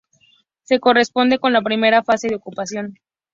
Se corresponde con la primera fase de ocupación.